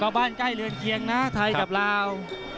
ใกล้บ้านใกล้เรือนเคียงนะไทยกับลาว